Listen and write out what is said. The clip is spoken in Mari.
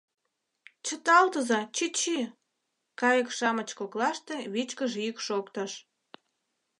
— Чыталтыза, чӱчӱ... — кайык-шамыч коклаште вичкыж йӱк шоктыш.